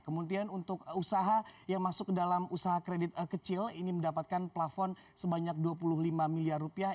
kemudian untuk usaha yang masuk dalam usaha kredit kecil ini mendapatkan plafon sebanyak dua puluh lima miliar rupiah